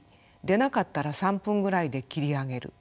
出なかったら３分ぐらいで切り上げる。